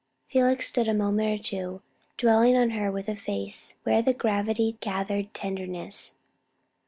Felix stood a moment or two, dwelling on her with a face where the gravity gathered tenderness.